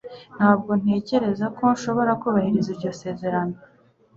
Ntabwo ntekereza ko nshobora kubahiriza iryo sezerano